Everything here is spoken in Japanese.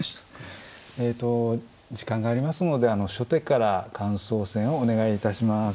えと時間がありますので初手から感想戦をお願いいたします。